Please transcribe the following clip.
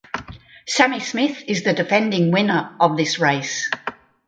Sammy Smith is the defending winner of this race.